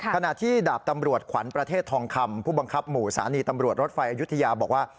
ขณะที่ดาบตำรวจขวัญประเทศทองคำผู้บังคับหมู่สถานีตำรวจรถไฟอายุทยาบอกว่า